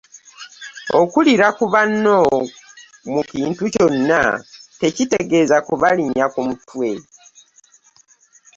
Okukira ku banno mu kintu kyonna tekitegeeza kubalinnya ku mitwe.